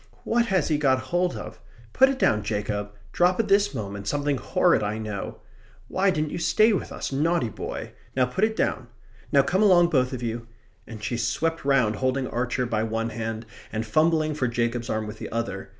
"What has he got hold of? Put it down, Jacob! Drop it this moment! Something horrid, I know. Why didn't you stay with us? Naughty little boy! Now put it down. Now come along both of you," and she swept round, holding Archer by one hand and fumbling for Jacob's arm with the other.